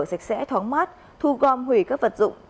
sạch sẽ thoáng mát thu gom hủy các vật dụng